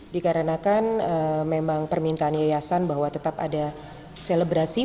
dikarenakan memang permintaan yayasan bahwa tetap ada selebrasi